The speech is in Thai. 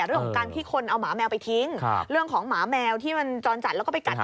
เรื่องของการที่คนเอาหมาแมวไปทิ้งเรื่องของหมาแมวที่มันจรจัดแล้วก็ไปกัด